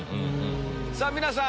さぁ皆さん